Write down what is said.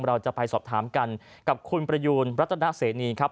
เราจะไปสอบถามกันกับคุณประยูนรัตนเสนีครับ